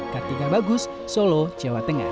kartika bagus solo jawa tengah